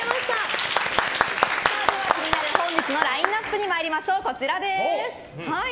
では気になる本日のラインアップに参りましょう。